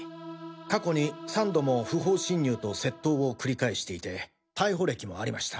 過去に三度も不法侵入と窃盗を繰り返していて逮捕歴もありました。